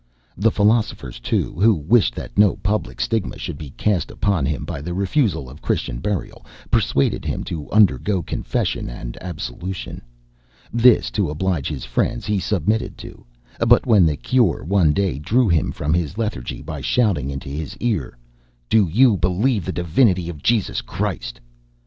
The philosophers, too, who wished that no public stigma should be cast upon him by the refusal of Christian burial, persuaded him to undergo confession and absolution. This, to oblige his friends, he submitted to; but when the cure one day drew him from his lethargy by shouting into his ear, "Do you believe the divinity of Jesus Christ?"